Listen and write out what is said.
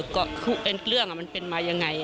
ก็คือเป็นเรื่องมันเป็นมายังไง